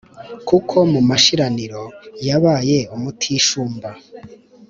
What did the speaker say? kuko mu mashiraniro yabaye umutishumba,